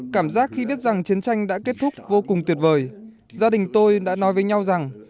cảm giác khi biết rằng chiến tranh đã kết thúc vô cùng tuyệt vời gia đình tôi đã nói với nhau rằng